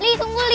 li li tunggu li